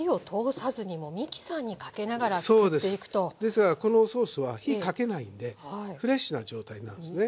ですからこのソースは火かけないんでフレッシュな状態なんですね。